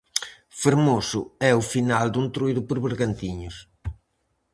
Fermoso é o final do Entroido por Bergantiños.